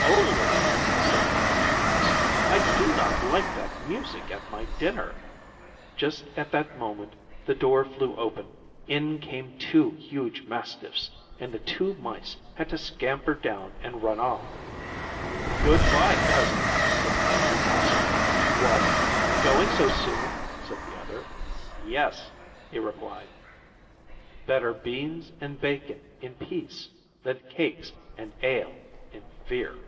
"Only!" said the Country Mouse. "I do not like that music at my dinner." Just at that moment the door flew open, in came two huge mastiffs, and the two mice had to scamper down and run off. "Good bye, Cousin," said the Country Mouse. "What! going so soon?" said the other. "Yes," he replied; "Better beans and bacon in peace than cakes and ale in fear."